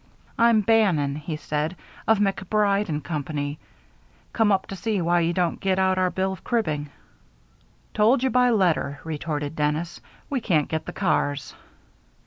"I'm Bannon," he said, "of MacBride & Company. Come up to see why you don't get out our bill of cribbing." "Told you by letter," retorted Dennis. "We can't get the cars."